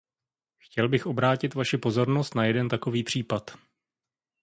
Chtěl bych obrátit vaši pozornost na jeden takový případ.